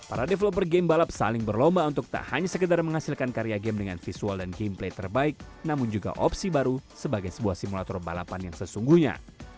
para developer game balap saling berlomba untuk tak hanya sekedar menghasilkan karya game dengan visual dan game play terbaik namun juga opsi baru sebagai sebuah simulator balapan yang sesungguhnya